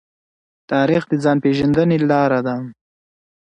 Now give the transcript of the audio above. تاریخ د ځان پېژندنې لاره ده.